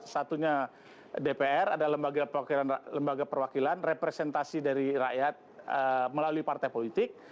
satunya dpr ada lembaga perwakilan representasi dari rakyat melalui partai politik